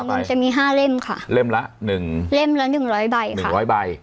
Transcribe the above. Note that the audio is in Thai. เงินจะมีห้าเล่มค่ะเล่มละหนึ่งเล่มละหนึ่งร้อยใบหนึ่งร้อยใบ